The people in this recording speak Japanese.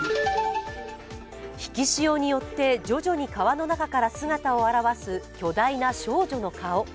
引き潮によって徐々に川の中から姿を現す巨大な少女の顔。